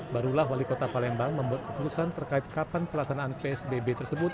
barulah wali kota palembang membuat keputusan terkait kapan pelaksanaan psbb tersebut